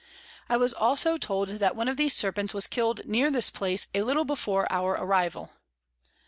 I was also told that one of these Serpents was kill'd near this place a little before our Arrival.